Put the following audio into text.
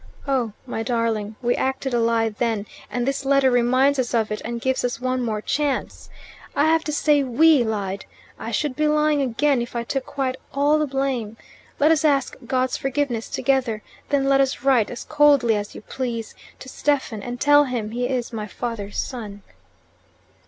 "Oh, my darling, we acted a lie then, and this letter reminds us of it and gives us one more chance. I have to say 'we' lied. I should be lying again if I took quite all the blame. Let us ask God's forgiveness together. Then let us write, as coldly as you please, to Stephen, and tell him he is my father's son."